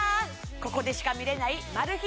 ここでしか見れないマル秘